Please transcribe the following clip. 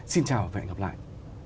xin chào và hẹn gặp lại